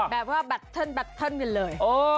แบบว่าแบตเทินกันเลย